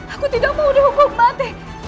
aku tidak mau dihukum mati